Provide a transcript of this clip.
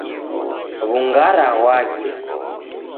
Wungara ghwake